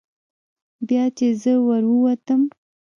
بیا چې زه ور ووتم.